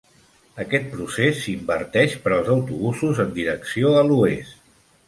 Aquest procés s'inverteix per als autobusos en direcció a l'oest.